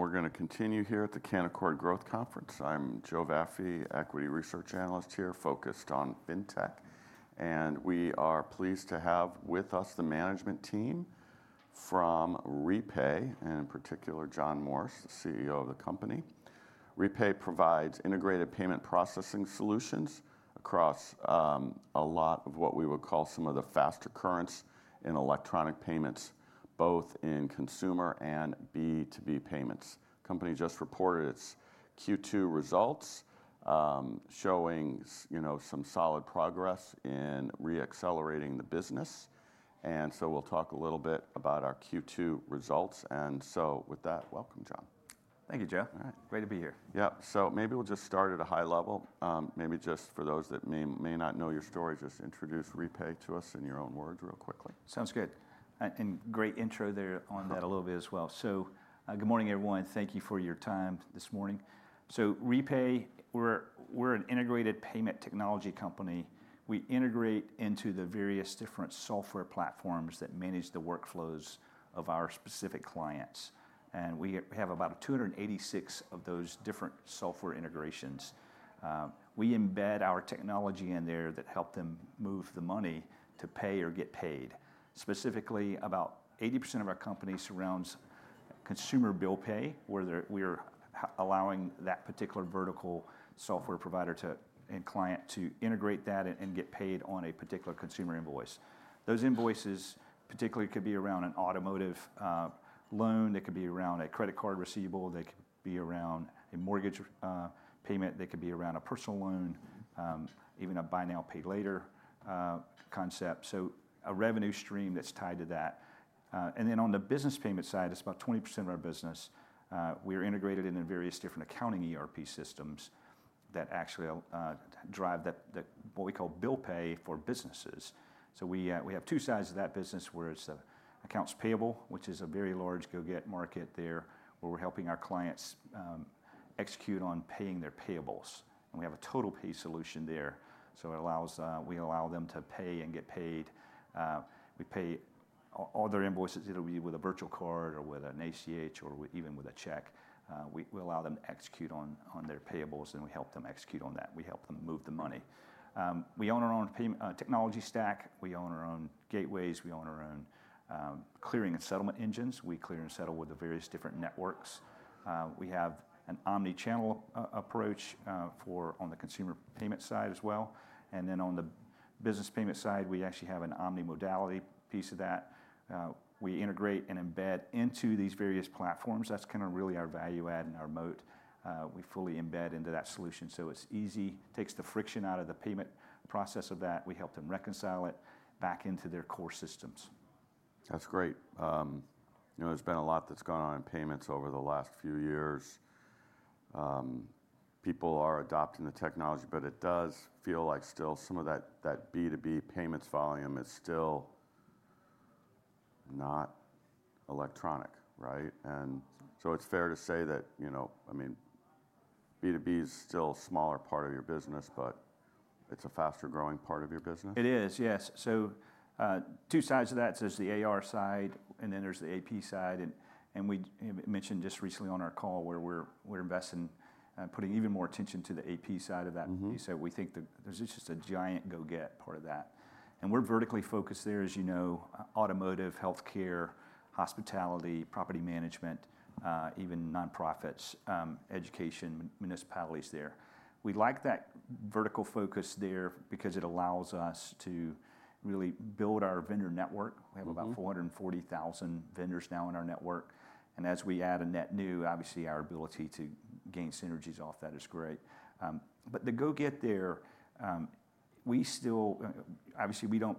All right, everyone, we're going to continue here at the Canaccord Growth Conference. I'm Joe Vafi, Equity Research Analyst here focused on fintech. We are pleased to have with us the management team from REPAY, and in particular, John Morris, CEO of the company. REPAY provides integrated payment processing solutions across a lot of what we would call some of the fast occurrence in electronic payments, both in consumer and B2B payments. The company just reported its Q2 results, showing some solid progress in re-accelerating the business. We'll talk a little bit about our Q2 results. With that, welcome, John. Thank you, Joe. Great to be here. Maybe we'll just start at a high level. For those that may not know your story, just introduce REPAY to us in your own words real quickly. Sounds good. Great intro there on that a little bit as well. Good morning, everyone. Thank you for your time this morning. REPAY, we're an integrated payment technology company. We integrate into the various different software platforms that manage the workflows of our specific clients. We have about 286 of those different software integrations. We embed our technology in there that helps them move the money to pay or get paid. Specifically, about 80% of our company surrounds consumer bill pay, where we're allowing that particular vertical software provider and client to integrate that and get paid on a particular consumer invoice. Those invoices particularly could be around an automotive loan, they could be around a credit card receivable, they could be around a mortgage payment, they could be around a personal loan, even a buy now, pay later concept. A revenue stream that's tied to that. On the business payment side, it's about 20% of our business. We're integrated into various different accounting ERP systems that actually drive what we call bill pay for businesses. We have two sides of that business where it's the accounts payable, which is a very large go-get market there, where we're helping our clients execute on paying their payables. We have a TotalPay solution there. We allow them to pay and get paid. We pay all their invoices, either with a virtual card or with an ACH or even with a check. We allow them to execute on their payables, and we help them execute on that. We help them move the money. We own our own payment technology stack. We own our own gateways. We own our own clearing and settlement engines. We clear and settle with the various different networks. We have an omnichannel approach for the consumer payment side as well. On the business payment side, we actually have an omnimodality piece of that. We integrate and embed into these various platforms. That's really our value add and our moat. We fully embed into that solution. It's easy. It takes the friction out of the payment process. We help them reconcile it back into their core systems. That's great. You know, there's been a lot that's gone on in payments over the last few years. People are adopting the technology, but it does feel like still some of that B2B payments volume is still not electronic, right? It's fair to say that, you know, I mean, B2B is still a smaller part of your business, but it's a faster growing part of your business. It is, yes. Two sides of that. There's the AR side, and then there's the AP side. We mentioned just recently on our call where we're investing and putting even more attention to the AP side of that piece. We think that there's just a giant go-get part of that. We're vertically focused there, as you know: automotive, healthcare, hospitality, property management, even nonprofits, education, municipalities. We like that vertical focus because it allows us to really build our vendor network. We have about 440,000 vendors now in our network. As we add a net new, obviously our ability to gain synergies off that is great. The go-get there, we still, obviously we don't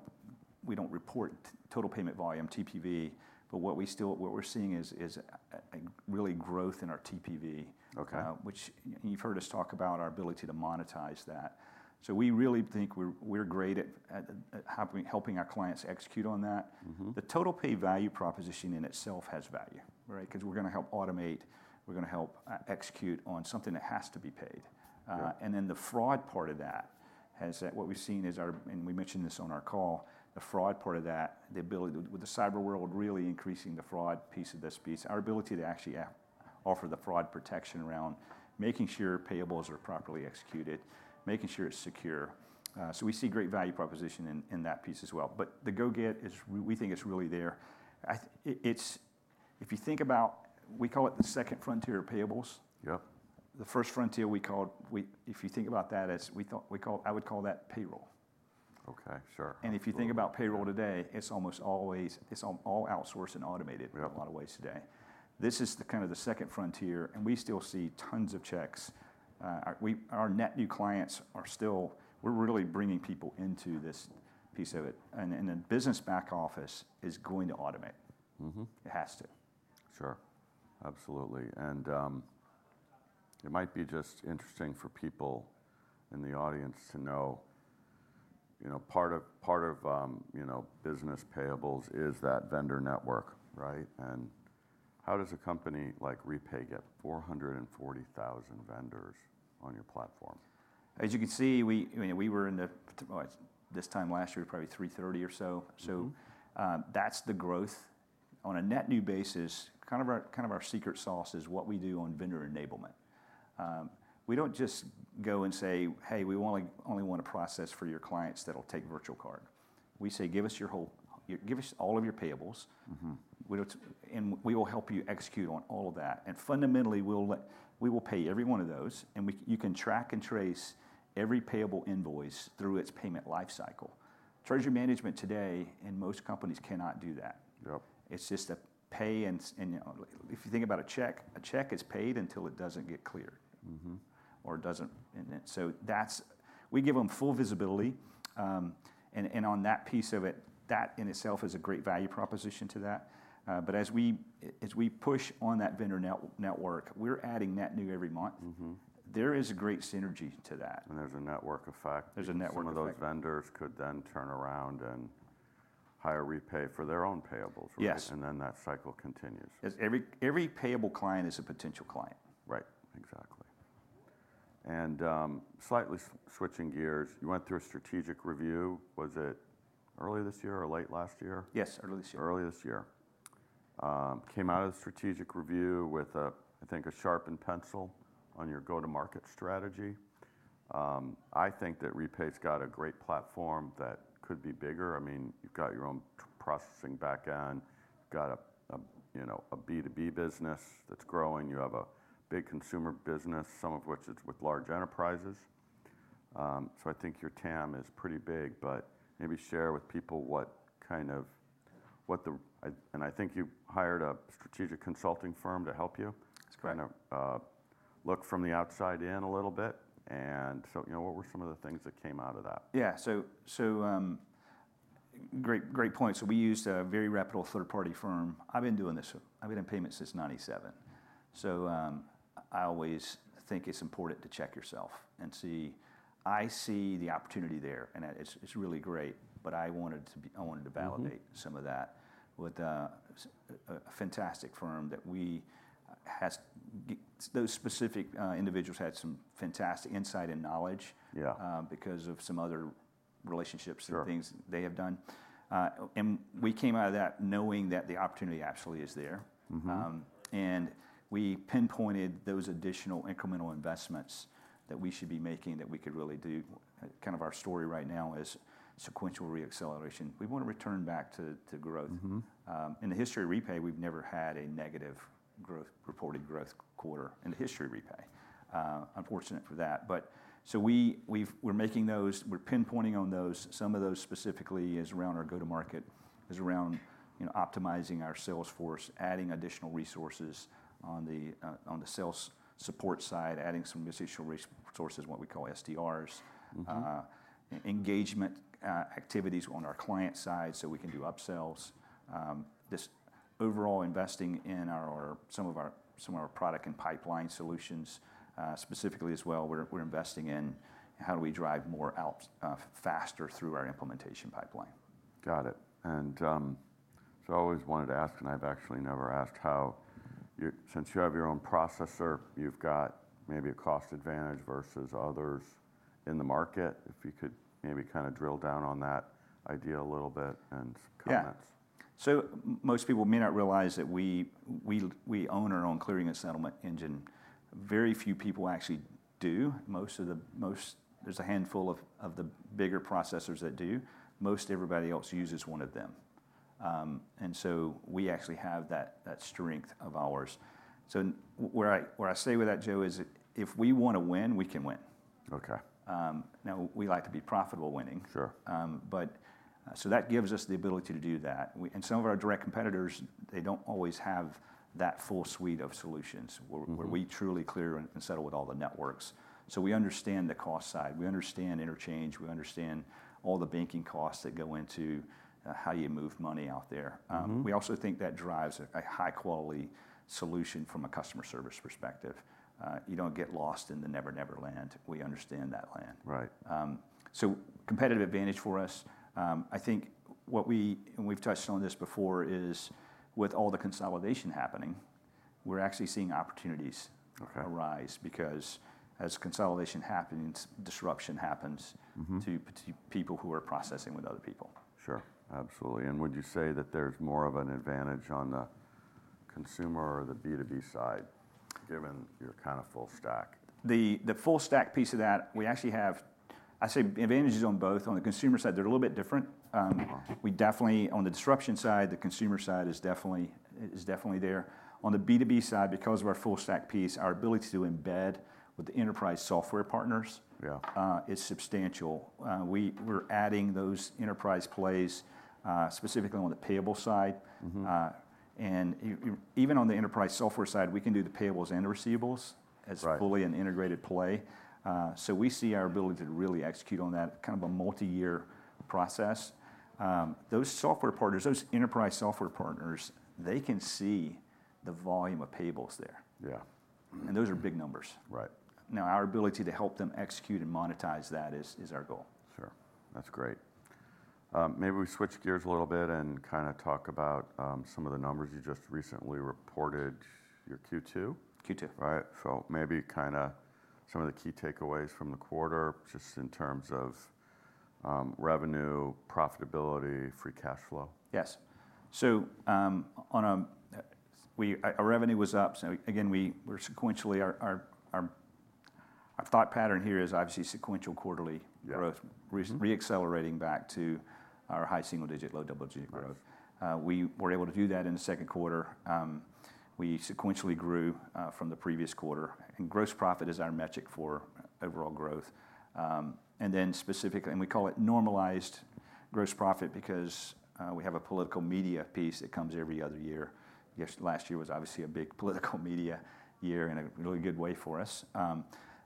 report total payment volume, TPV, but what we're seeing is a really growth in our TPV. Okay. Which you've heard us talk about, our ability to monetize that. We really think we're great at helping our clients execute on that. The TotalPay value proposition in itself has value, right? We're going to help automate, we're going to help execute on something that has to be paid. The fraud part of that, what we've seen is, and we mentioned this on our call, the fraud part of that, the ability with the cyber world really increasing the fraud piece of this, our ability to actually offer the fraud protection around making sure payables are properly executed, making sure it's secure. We see great value proposition in that piece as well. The go-get is, we think it's really there. If you think about it, we call it the second frontier of payables. Yep. The first frontier, we call it, if you think about that, I would call that payroll. Okay, sure. If you think about payroll today, it's almost always, it's all outsourced and automated in a lot of ways today. This is kind of the second frontier, and we still see tons of checks. Our net new clients are still, we're really bringing people into this piece of it. The business back office is going to automate. It has to. Sure. Absolutely. It might be just interesting for people in the audience to know, you know, part of business payables is that vendor network, right? How does a company like REPAY get 440,000 vendors on your platform? As you can see, we were in the, oh, this time last year, probably 330 or so. That's the growth on a net new basis. Kind of our secret sauce is what we do on vendor enablement. We don't just go and say, hey, we only want to process for your clients that'll take virtual cards. We say, give us your whole, give us all of your payables. We will help you execute on all of that. Fundamentally, we will pay every one of those, and you can track and trace every payable invoice through its payment lifecycle. Treasury management today in most companies cannot do that. Yep. It's just a pay. If you think about a check, a check is paid until it doesn't get cleared or it doesn't. We give them full visibility, and on that piece of it, that in itself is a great value proposition to that. As we push on that vendor network, we're adding net new every month. There is a great synergy to that. There is a network effect. There's a network effect. Some of those vendors could then turn around and hire REPAY for their own payables. Yes. That cycle continues. Every payable client is a potential client. Right, exactly. Slightly switching gears, you went through a strategic review. Was it earlier this year or late last year? Yes, early this year. Early this year, came out of the strategic review with, I think, a sharpened pencil on your go-to-market strategy. I think that REPAY's got a great platform that could be bigger. I mean, you've got your own processing back end, got a, you know, a B2B business that's growing. You have a big consumer business, some of which is with large enterprises. I think your TAM is pretty big, but maybe share with people what kind of, what the, and I think you hired a strategic consulting firm to help you. That's correct. Kind of look from the outside in a little bit. What were some of the things that came out of that? Yeah, great point. We used a very reputable third-party firm. I've been doing this, I've been in payments since 1997. I always think it's important to check yourself and see, I see the opportunity there, and it's really great, but I wanted to validate some of that with a fantastic firm that has those specific individuals who had some fantastic insight and knowledge. Yeah. Because of some other relationships and things they have done, we came out of that knowing that the opportunity actually is there. We pinpointed those additional incremental investments that we should be making that we could really do. Kind of our story right now is sequential re-acceleration. We want to return back to growth. In the history of REPAY, we've never had a negative growth, reported growth quarter in the history of REPAY. Unfortunate for that. We're making those, we're pinpointing on those, some of those specifically as around our go-to-market, as around optimizing our sales force, adding additional resources on the sales support side, adding some additional resources, what we call SDRs, engagement activities on our client side so we can do upsells. This overall investing in our, or some of our, some of our product and pipeline solutions, specifically as well, we're investing in how do we drive more out, faster through our implementation pipeline. Got it. I always wanted to ask, and I've actually never asked how you're, since you have your own processor, you've got maybe a cost advantage versus others in the market. If you could maybe kind of drill down on that idea a little bit and comment. Yeah. Most people may not realize that we own our own clearing and settlement engine. Very few people actually do. There is a handful of the bigger processors that do. Most everybody else uses one of them. We actually have that strength of ours. Where I say with that, Joe, is if we want to win, we can win. Okay. Now we like to be profitable winning. Sure. That gives us the ability to do that. Some of our direct competitors don't always have that full suite of solutions where we truly clear and settle with all the networks. We understand the cost side. We understand interchange. We understand all the banking costs that go into how you move money out there. We also think that drives a high-quality solution from a customer service perspective. You don't get lost in the never-never land. We understand that land. Right. Competitive advantage for us. I think what we, and we've touched on this before, is with all the consolidation happening, we're actually seeing opportunities arise because as consolidation happens, disruption happens to people who are processing with other people. Sure, absolutely. Would you say that there's more of an advantage on the consumer or the B2B side given your kind of full stack? The full stack piece of that, we actually have, I'd say, advantages on both. On the consumer side, they're a little bit different. We definitely, on the disruption side, the consumer side is definitely there. On the B2B side, because of our full stack piece, our ability to embed with the enterprise software partners is substantial. We're adding those enterprise plays, specifically on the payable side, and even on the enterprise software side, we can do the payables and receivables as fully an integrated play. We see our ability to really execute on that kind of a multi-year process. Those software partners, those enterprise software partners, they can see the volume of payables there. Yeah. Those are big numbers. Right. Now, our ability to help them execute and monetize that is our goal. Sure, that's great. Maybe we switch gears a little bit and kind of talk about some of the numbers you just recently reported, your Q2. Q2. Right. Maybe kind of some of the key takeaways from the quarter just in terms of revenue, profitability, free cash flow. Yes. Our revenue was up. Our thought pattern here is obviously sequential quarterly growth, re-accelerating back to our high single digit, low double digit growth. We were able to do that in the second quarter. We sequentially grew from the previous quarter. Gross profit is our metric for overall growth, and then specifically, we call it normalized gross profit because we have a political media piece that comes every other year. Last year was obviously a big political media year in a really good way for us,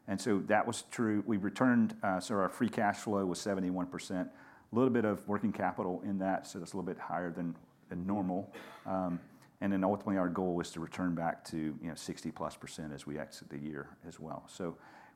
and so that was true. We returned, so our free cash flow was 71%. A little bit of working capital in that, so that's a little bit higher than normal. Ultimately, our goal is to return back to, you know, 60%+ as we exit the year as well.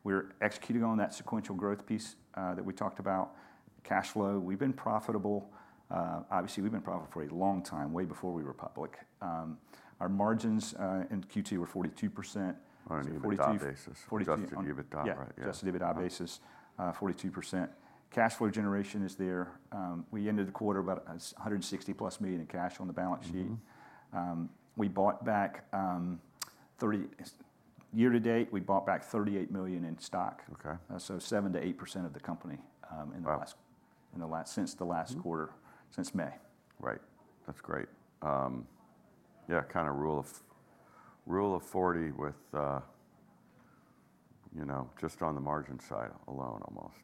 We're executing on that sequential growth piece that we talked about. Cash flow, we've been profitable. Obviously we've been profitable for a long time, way before we were public. Our margins in Q2 were 42%. On a dividend basis. 42%. Just a dividend basis. Just a dividend basis, 42%. Cash flow generation is there. We ended the quarter about $160 million+ in cash on the balance sheet. We bought back, year to date, $38 million in stock. Okay. Seven to eight percent of the company in the last, since the last quarter, since May. Right. That's great. Yeah, kind of rule of 40 with, you know, just on the margin side alone almost.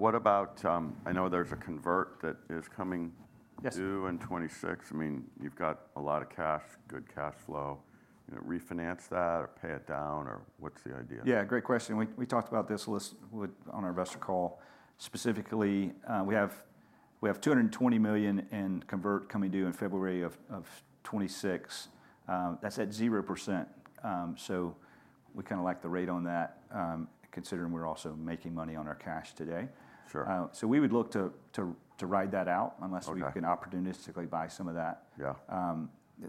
What about, I know there's a convertible note that is coming due in 2026. I mean, you've got a lot of cash, good cash flow. You know, refinance that or pay it down or what's the idea? Yeah, great question. We talked about this list on our investor call. Specifically, we have $220 million in convert coming due in February of 2026. That's at 0%, so we kind of like the rate on that, considering we're also making money on our cash today. Sure. We would look to ride that out unless we can opportunistically buy some of that. Yeah.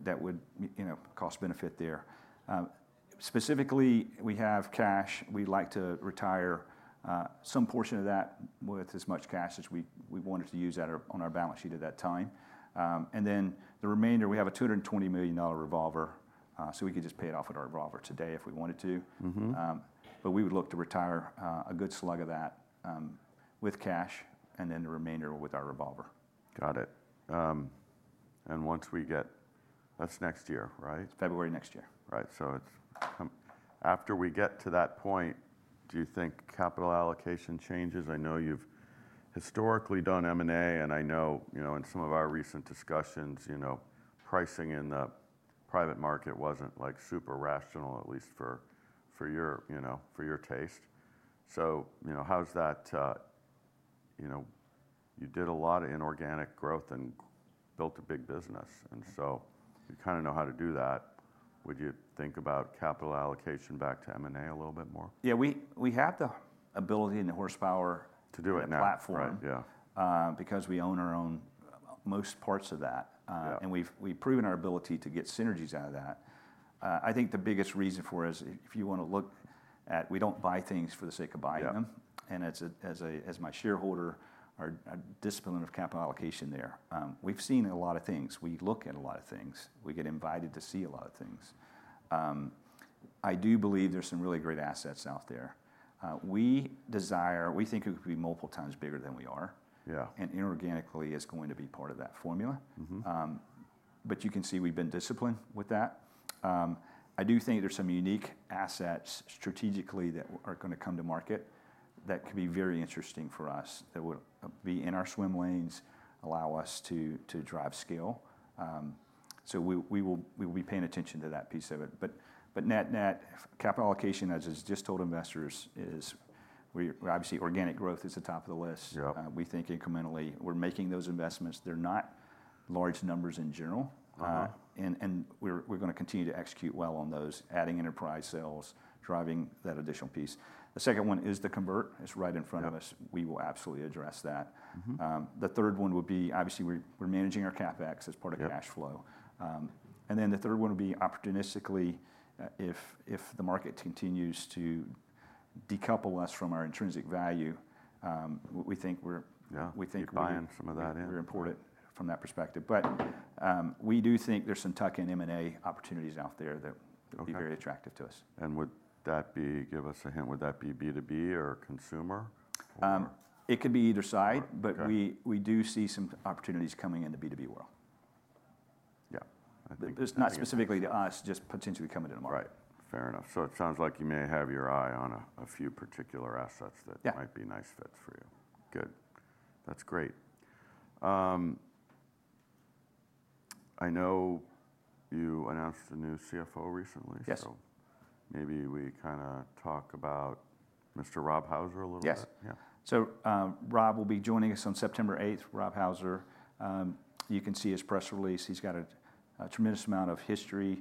That would, you know, cost benefit there. Specifically, we have cash. We'd like to retire some portion of that with as much cash as we wanted to use that on our balance sheet at that time. Then the remainder, we have a $220 million revolver. We could just pay it off with our revolver today if we wanted to. We would look to retire a good slug of that with cash and then the remainder with our revolver. Got it. Once we get, that's next year, right? February next year. Right. After we get to that point, do you think capital allocation changes? I know you've historically done M&A, and in some of our recent discussions, pricing in the private market wasn't super rational, at least for your taste. You did a lot of inorganic growth and built a big business, so you kind of know how to do that. Would you think about capital allocation back to M&A a little bit more? We have the ability and the horsepower to do it now. Platform. Yeah. Because we own most parts of that, we've proven our ability to get synergies out of that. I think the biggest reason for it is if you want to look at, we don't buy things for the sake of buying them. As my shareholder, our discipline of capital allocation there, we've seen a lot of things. We look at a lot of things. We get invited to see a lot of things. I do believe there's some really great assets out there. We desire, we think it could be multiple times bigger than we are. Yeah. Inorganically, it's going to be part of that formula, but you can see we've been disciplined with that. I do think there's some unique assets strategically that are going to come to market that could be very interesting for us, that would be in our swim lanes, allow us to drive scale. We will be paying attention to that piece of it. Net net, capital allocation, as I just told investors, is we're obviously organic growth is the top of the list. Yeah. We think incrementally we're making those investments. They're not large numbers in general. Right. We're going to continue to execute well on those, adding enterprise sales, driving that additional piece. The second one is the convert. It's right in front of us. We will absolutely address that. The third one would be we're managing our CapEx as part of cash flow. The third one would be opportunistically, if the market continues to decouple us from our intrinsic value, we think we're, yeah, we think we're imported from that perspective. We do think there's some tuck-in M&A opportunities out there that would be very attractive to us. Would that be, give us a hint, would that be B2B or consumer? It could be either side, but we do see some opportunities coming in the B2B world. Yeah. Not specifically to us, just potentially coming in tomorrow. Right. Fair enough. It sounds like you may have your eye on a few particular assets that might be nice fits for you. Good, that's great. I know you announced the new CFO recently. Yes. Maybe we kind of talk about Mr. Rob Houser a little bit. Yes. Yeah. Rob will be joining us on September 8, Rob Houser. You can see his press release. He's got a tremendous amount of history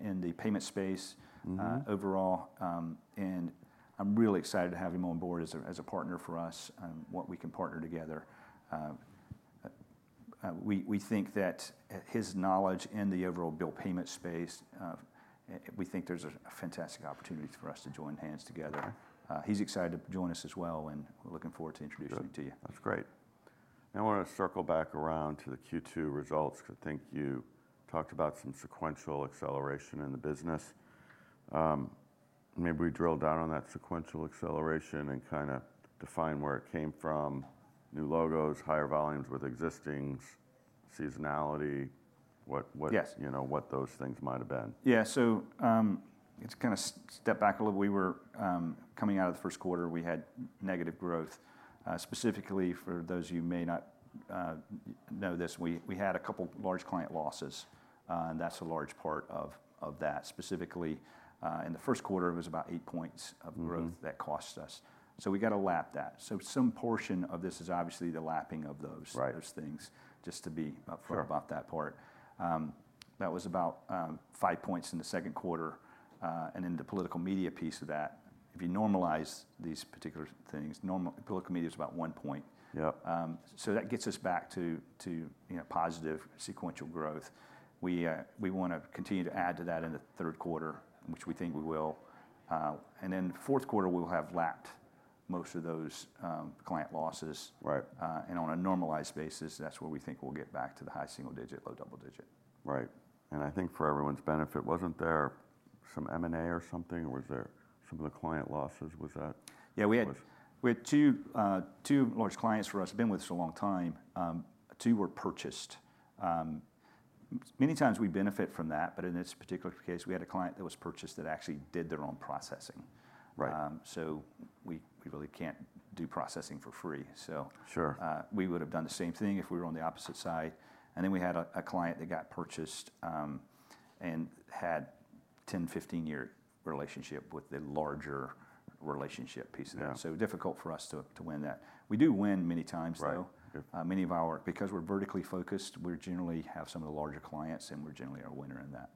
in the payment space overall. I'm really excited to have him on board as a partner for us and what we can partner together. We think that his knowledge in the overall bill payment space, we think there's a fantastic opportunity for us to join hands together. He's excited to join us as well, and we're looking forward to introducing him to you. That's great. I want to circle back around to the Q2 results. I think you talked about some sequential acceleration in the business. Maybe we drill down on that sequential acceleration and define where it came from, new logos, higher volumes with existing seasonality, what those things might have been. Yeah. It's kind of step back a little. We were coming out of the first quarter. We had negative growth. Specifically, for those of you who may not know this, we had a couple of large client losses, and that's a large part of that. Specifically, in the first quarter, it was about 8 points of growth that cost us. We got to lap that. Some portion of this is obviously the lapping of those things, just to be upfront about that part. That was about 5 points in the second quarter, and then the political media piece of that, if you normalize these particular things, normal political media is about 1 point. Yeah. That gets us back to positive sequential growth. We want to continue to add to that in the third quarter, which we think we will, and then the fourth quarter we'll have lapped most of those client losses. Right. On a normalized basis, that's where we think we'll get back to the high single digit, low double digit. Right. I think for everyone's benefit, wasn't there some M&A or something? Was there some of the client losses? Was that? Yeah, we had two large clients for us. I've been with us a long time. Two were purchased. Many times we benefit from that, but in this particular case, we had a client that was purchased that actually did their own processing. Right. We really can't do processing for free. Sure. We would have done the same thing if we were on the opposite side. We had a client that got purchased and had a 10- to 15-year relationship with the larger relationship piece of that. It's difficult for us to win that. We do win many times. Right. Because we're vertically focused, we generally have some of the larger clients and we're generally a winner in that.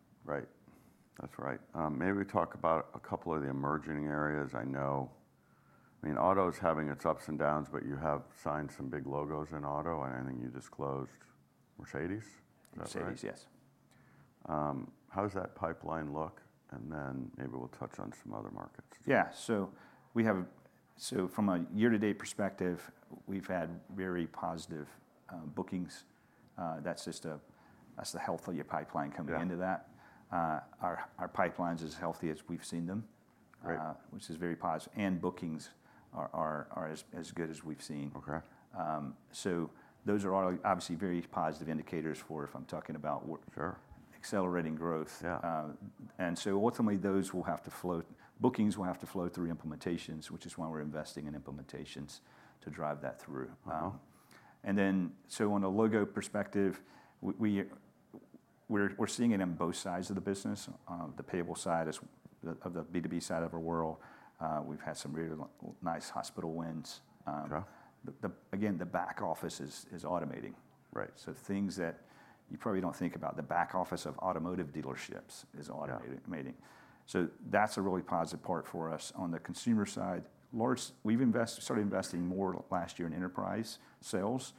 Right. That's right. Maybe we talk about a couple of the emerging areas. I know, I mean, auto is having its ups and downs, but you have signed some big logos in auto, and I think you just closed Mercedes. Mercedes, yes. How does that pipeline look? Maybe we'll touch on some other markets. Yeah. From a year-to-date perspective, we've had very positive bookings. That's just the health of your pipeline coming into that. Our pipeline is as healthy as we've seen them. Right. which is very positive. Bookings are as good as we've seen. Okay. Those are all obviously very positive indicators for, if I'm talking about what. Sure. Accelerating growth. Yeah. Ultimately, those will have to flow, bookings will have to flow through implementations, which is why we're investing in implementations to drive that through. Wow. From a logo perspective, we're seeing it on both sides of the business. The payable side is the B2B side of our world. We've had some really nice hospital wins. Okay. The back office is automating. Right. Things that you probably don't think about, the back office of automotive dealerships is automating. Yeah. That's a really positive part for us. On the consumer side, large, we've invested, started investing more last year in enterprise sales.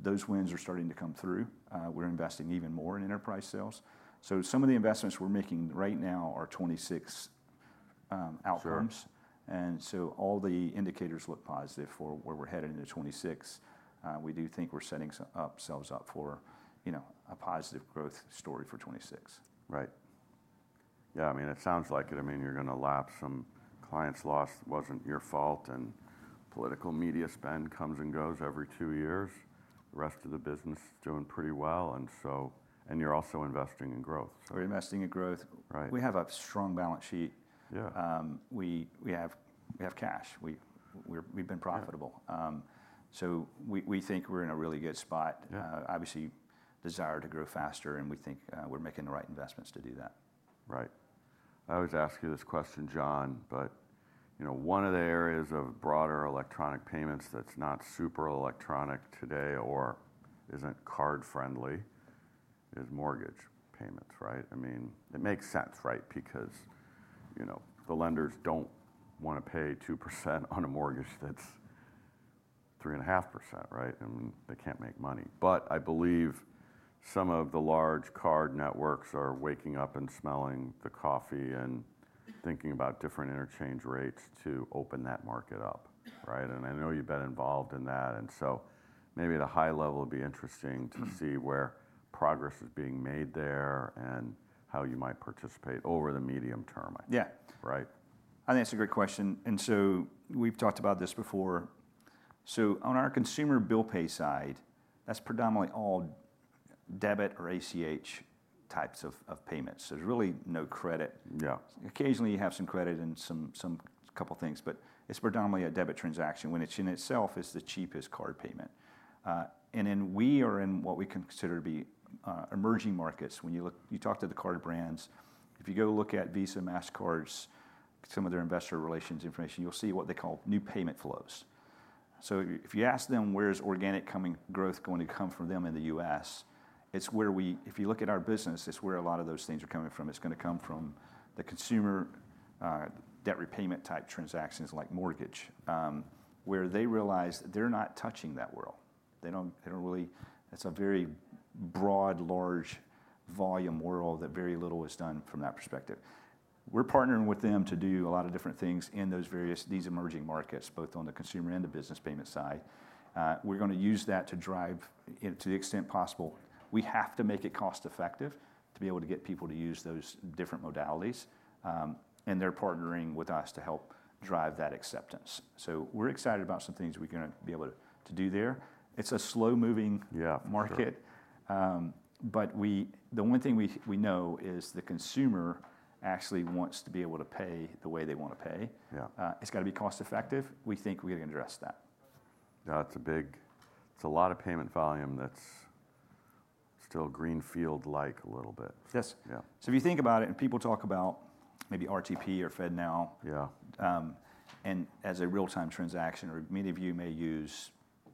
Those wins are starting to come through. We're investing even more in enterprise sales. Some of the investments we're making right now are 26, outcomes. Sure. All the indicators look positive for where we're headed into 2026. We do think we're setting up ourselves for, you know, a positive growth story for 2026. Right. Yeah, I mean, it sounds like it. I mean, you're going to lapse some clients' loss. It wasn't your fault. Political media spend comes and goes every two years. The rest of the business is doing pretty well, and you're also investing in growth. We're investing in growth. Right. We have a strong balance sheet. Yeah. We have cash. We've been profitable, so we think we're in a really good spot. Obviously, desire to grow faster, and we think we're making the right investments to do that. Right. I was asking this question, John, but you know, one of the areas of broader electronic payments that's not super electronic today or isn't card friendly is mortgage payments, right? I mean, it makes sense, right? Because, you know, the lenders don't want to pay 2% on a mortgage that's 3.5%, right? I mean, they can't make money. I believe some of the large card networks are waking up and smelling the coffee and thinking about different interchange rates to open that market up, right? I know you've been involved in that. Maybe at a high level, it'd be interesting to see where progress is being made there and how you might participate over the medium term. Yeah. Right. I think that's a great question. We've talked about this before. On our consumer bill pay side, that's predominantly all debit or ACH types of payments. There's really no credit. Yeah. Occasionally you have some credit and a couple of things, but it's predominantly a debit transaction. When it's in itself, it's the cheapest card payment. We are in what we consider to be emerging markets. When you look, you talk to the card brands, if you go look at Visa and MasterCard's investor relations information, you'll see what they call new payment flows. If you ask them where organic growth is going to come from in the U.S., it's where we, if you look at our business, it's where a lot of those things are coming from. It's going to come from the consumer, debt repayment type transactions like mortgage, where they realize that they're not touching that world. They don't really, it's a very broad, large volume world that very little is done from that perspective. We're partnering with them to do a lot of different things in these emerging markets, both on the consumer and the business payment side. We're going to use that to drive, to the extent possible. We have to make it cost-effective to be able to get people to use those different modalities, and they're partnering with us to help drive that acceptance. We're excited about some things we're going to be able to do there. It's a slow-moving market, but the one thing we know is the consumer actually wants to be able to pay the way they want to pay. Yeah. It's got to be cost-effective. We think we're going to address that. Yeah, that's a big, it's a lot of payment volume that's still greenfield, like a little bit. Yes. Yeah. If you think about it, and people talk about maybe RTP or FedNow. Yeah. As a real-time transaction, or many of you may use,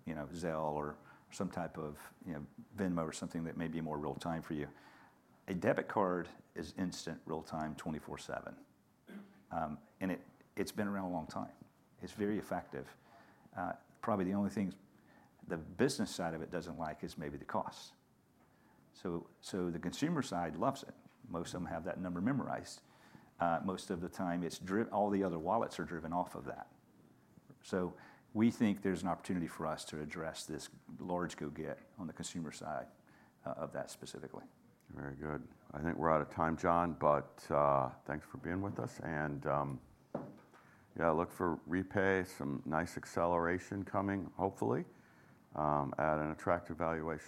you know, Zelle or some type of, you know, Venmo or something that may be more real-time for you. A debit card is instant, real-time, 24/7, and it's been around a long time. It's very effective. Probably the only thing the business side of it doesn't like is maybe the cost. The consumer side loves it. Most of them have that number memorized. Most of the time, it's driven, all the other wallets are driven off of that. We think there's an opportunity for us to address this large go-get on the consumer side of that specifically. Very good. I think we're out of time, John, but thanks for being with us. Look for REPAY, some nice acceleration coming, hopefully, at an attractive valuation.